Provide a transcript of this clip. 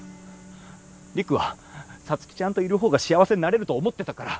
陸は皐月ちゃんといる方が幸せになれると思ってたから。